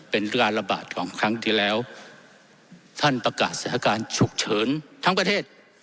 เป็นการระบาดของครั้งที่แล้วท่านประกาศสถานการณ์ฉุกเฉินทั้งประเทศ